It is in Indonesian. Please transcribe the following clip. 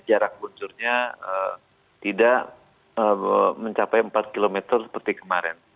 jarak luncurnya tidak mencapai empat km seperti kemarin